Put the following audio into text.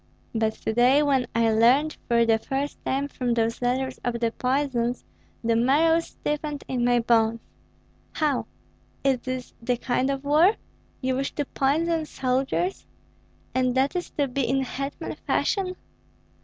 But to day, when I learned for the first time from those letters of the poisons, the marrow stiffened in my bones. How? Is this the kind of war? You wish to poison soldiers? And that is to be in hetman fashion?